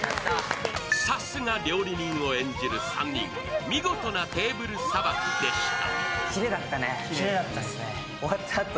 さすが料理人を演じる３人見事なテーブルさばきでした。